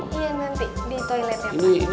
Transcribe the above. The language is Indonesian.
iya nanti di toilet ya pak